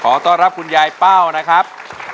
ต้อนรับคุณยายเป้านะครับ